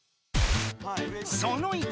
その１！